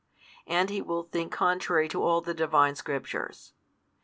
and he will think contrary to all the Divine Scriptures.